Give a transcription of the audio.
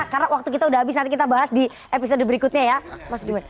karena waktu kita sudah habis nanti kita bahas di episode berikutnya ya